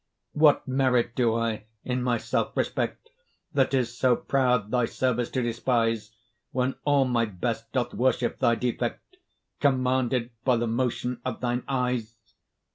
What merit do I in my self respect, That is so proud thy service to despise, When all my best doth worship thy defect, Commanded by the motion of thine eyes?